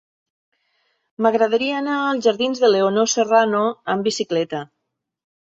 M'agradaria anar als jardins de Leonor Serrano amb bicicleta.